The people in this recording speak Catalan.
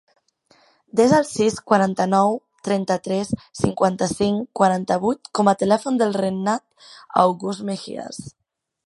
Desa el sis, quaranta-nou, trenta-tres, cinquanta-cinc, quaranta-vuit com a telèfon del Renat August Mejias.